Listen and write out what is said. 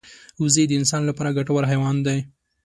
وزې د انسان لپاره ګټور حیوان دی